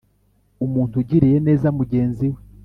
Umuntu ugiriye neza mugenzi we,